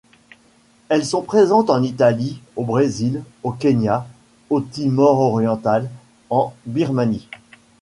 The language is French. Elles sont présentes en Italie, au Brésil, au Kenya, au Timor oriental, en Birmanie.